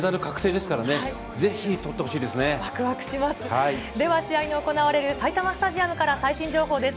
では、試合の行われる埼玉スタジアムから最新情報です。